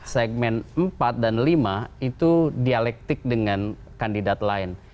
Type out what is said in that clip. segmen empat dan lima itu dialektik dengan kandidat lain